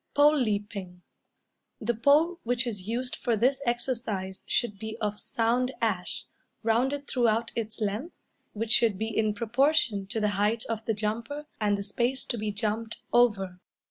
Pole Leaping. The pole which is used for this exercise should be of sound ash, rounded throughout its length, which should be in proportion to the height of the jumper and the space to be jumped over.